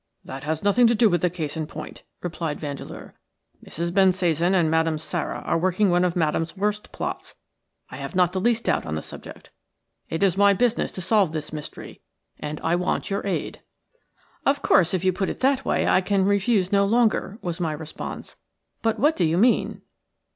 "That has nothing to do with the case in point," replied Vandeleur. "Mrs. Bensasan and Madame Sara are working one of Madame's worst plots. I have not the least doubt on the subject. It is my business to solve this mystery, and I want your aid." "Of course, if you put it in that way I can refuse no longer," was my response. "But what do you mean?"